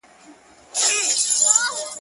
شیخه په خلکو به دې زر ځله ریا ووینم؛